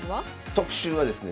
特集はですね